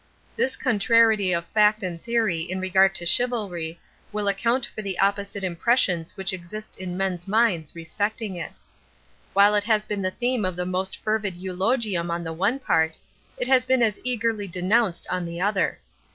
This contrariety of fact and theory in regard to chivalry will account for the opposite impressions which exist in men's minds respecting it. While it has been the theme of the most fervid eulogium on the one part, it has been as eagerly denounced on the other.